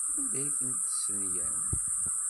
Anda ay ten-testenyam?